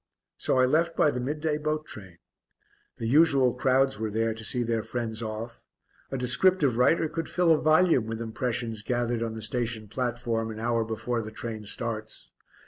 So I left by the midday boat train; the usual crowds were there to see their friends off. A descriptive writer could fill a volume with impressions gathered on the station platform an hour before the train starts.